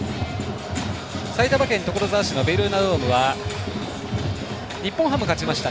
埼玉県所沢市のベルーナドームは日本ハム、勝ちました。